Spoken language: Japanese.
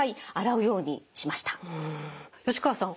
吉川さん